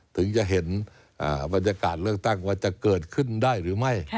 ถึงจะเห็นบรรยากาศเลือกตั้งว่าจะเกิดขึ้นได้หรือไม่